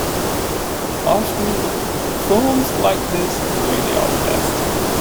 Often, films like this really are the best.